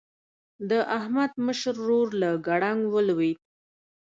د احمد مشر ورور له ګړنګ ولوېد.